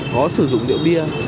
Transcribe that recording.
có sử dụng rượu bia